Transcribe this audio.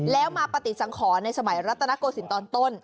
แล้วมาปฏิสังขรในสมัยรัตนโกศิลป์ตอนต้น